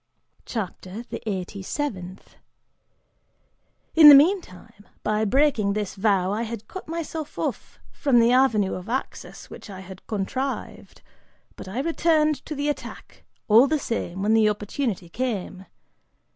CHAPTER THE EIGHTY SEVENTH. "(In the meantime,) by breaking this vow, I had cut myself off from the avenue of access which I had contrived, but I returned to the attack, all the same, when the opportunity came.